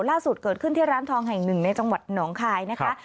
ล่าสุดเกิดขึ้นที่ร้านทองแห่งหนึ่งในจังหวัดหนองคายนะคะ